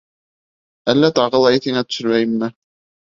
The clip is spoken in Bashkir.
Әллә тағы ла иҫеңә төшөрәйемме.